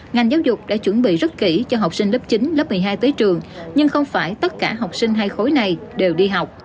ngành giáo dục đã chuẩn bị rất kỹ cho học sinh lớp chín lớp một mươi hai tới trường nhưng không phải tất cả học sinh hai khối này đều đi học